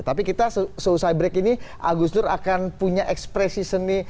tapi kita selesai break ini agus nur akan punya ekspresi seni